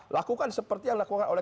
lakukan seperti yang lakukan orang lain